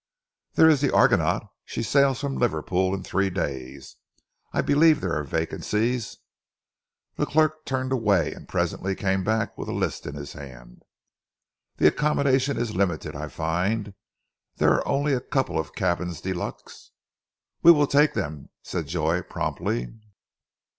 "There is the Argonaut. She sails from Liverpool in three days. I believe there are vacancies." The clerk turned away and presently came back with a list in his hand. "The accommodation is limited, I find. There are only a couple of cabins de luxe " "We will take them!" said Joy promptly.